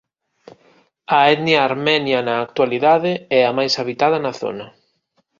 A etnia armenia na actualidade é a máis habitada na zona.